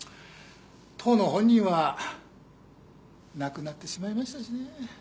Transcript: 当の本人は亡くなってしまいましたしね。